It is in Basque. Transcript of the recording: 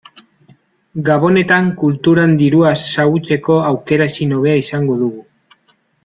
Gabonetan kulturan dirua xahutzeko aukera ezin hobea izango dugu.